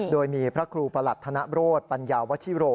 โดยมีพระครูประหลัดธนโรธปัญญาวชิโร